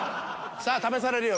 さあ試されるよ